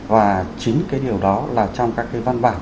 và chính cái điều đó là trong các cái văn bản